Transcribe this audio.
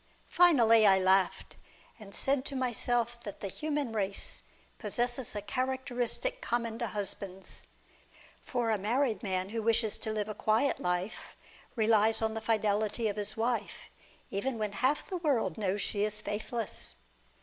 Finally I laughed, and said to myself that the human race possesses a characteristic common to husbands. Eor a married man who wishes to live a quiet life, relies on the fidelity of his wife, even when half the world knows she is faithless.